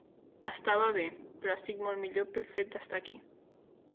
Estava bé, però estic molt millor pel fet d'estar aquí.